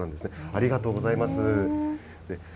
ありがとうございます。